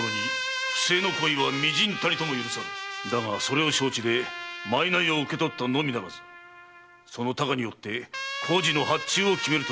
だがそれを承知で賂を受け取ったのみならずその多寡によって工事の発注を決めるとは不届き至極！